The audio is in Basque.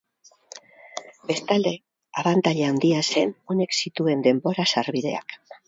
Bestalde, abantaila handia zen, honek zituen denbora sarbideak.